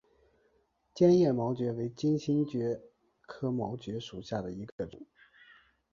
坚叶毛蕨为金星蕨科毛蕨属下的一个种。